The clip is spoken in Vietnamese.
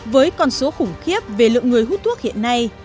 với con số khủng khiếp về lượng người hút thuốc hiện nay